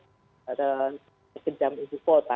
ke jam itu kota